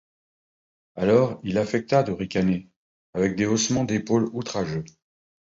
Alors, il affecta de ricaner, avec des haussements d'épaules outrageux.